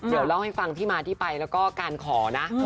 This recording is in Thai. เดี๋ยวเล่าให้ฟังที่มาที่ไปแล้วก็การขอนะ